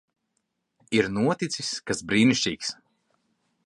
Ir noticis kas brīnišķīgs.